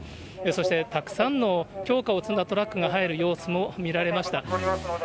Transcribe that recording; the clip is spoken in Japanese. そして、たくさんの供花を積んだトラックが入る様子も見られました。